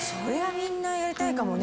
みんなやりたいかもね。